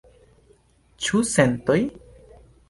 Ĉu centoj?